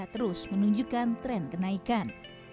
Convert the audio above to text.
terus menunjukkan tren kenaikan